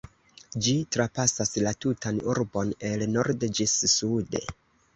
Ĝi trapasas la tutan urbon, el norde ĝis sude.